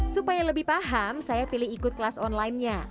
supaya lebih paham saya pilih ikut kelas online nya